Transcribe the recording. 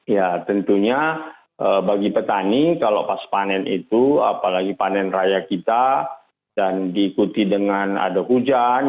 ya tentunya bagi petani kalau pas panen itu apalagi panen raya kita dan diikuti dengan ada hujan